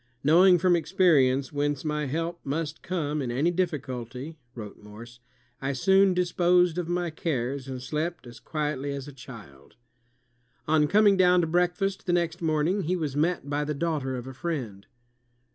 "Knowing from experience whence my help must come in any difficulty," wrote Morse, "I soon disposed of my cares, and slept as quietly as a child." On coming down to breakfast the next morning, he was met by the daughter of a friend.